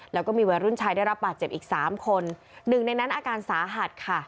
แล้วก็มีวัยรุ่นชายได้รับบาดเจ็บอีกสามคนหนึ่งในนั้นอาการสาหัสค่ะ